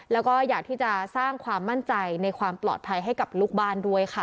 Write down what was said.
แล้วก็อยากที่จะสร้างความมั่นใจในความปลอดภัยให้กับลูกบ้านด้วยค่ะ